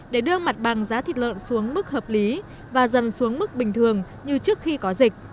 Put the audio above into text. để đưa mặt bằng giá thịt lợn xuống mức hợp lý và dần xuống mức bình thường như trước khi có dịch